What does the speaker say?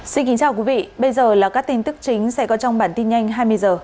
xin kính chào quý vị bây giờ là các tin tức chính sẽ có trong bản tin nhanh hai mươi h